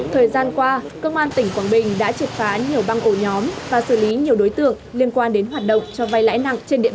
thời gian qua cơ quan tỉnh quảng bình đã triệt phá nhiều băng ổ nhóm và xử lý nhiều đối tượng liên quan đến hoạt động cho vay lãi nặng trên địa bàn